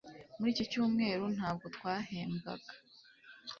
muri iki cyumweru ntabwo twahembwaga